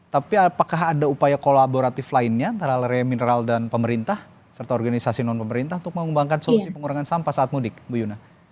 tapi apakah ada upaya kolaboratif lainnya antara lere mineral dan pemerintah serta organisasi non pemerintah untuk mengembangkan solusi pengurangan sampah saat mudik ibu yuna